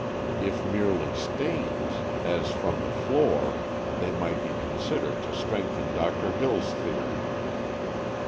If merely stains, as from the floor, they might be considered to strengthen Doctor Hill's theory."